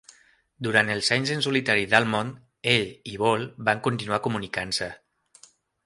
Durant els anys en solitari d'Almond, ell i Bol van continuar comunicant-se.